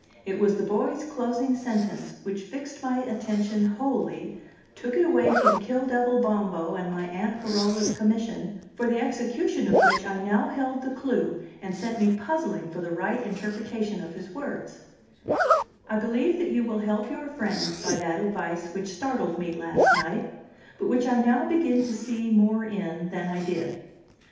It was the boy's closing sentence which fixed my attention wholly, took it away from Kill devil Bombo and my Aunt Carola's commission, for the execution of which I now held the clue, and sent me puzzling for the right interpretation of his words: "I believe that you will help your friend by that advice which startled me last night, but which I now begin to see more in than I did.